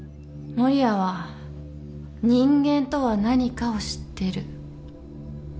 守谷は人間とは何かを知ってる。